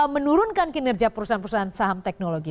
menurunkan kinerja perusahaan perusahaan saham teknologi